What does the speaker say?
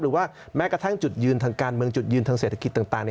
หรือว่าแม้กระทั่งจุดยืนทางการเมืองจุดยืนทางเศรษฐกิจต่าง